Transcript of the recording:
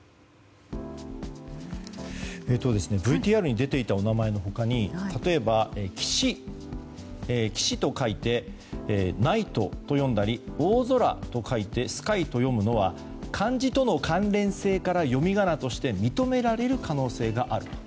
ＶＴＲに出ていたお名前の他に例えば「騎士」と書いてナイトと読んだり「大空」と書いてスカイと読むのは漢字との関連性から読み仮名として認められる可能性がある。